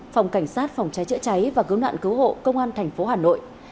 phòng cảnh sát phòng trái chữa cháy và cứu nạn cứu hộ công an tp hà nội